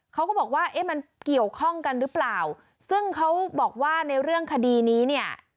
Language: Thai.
เขาก็บอกว่าเอ๊ะมันเกี่ยวข้องกันหรือเปล่าซึ่งเขาบอกว่าในเรื่องคดีนี้เนี่ย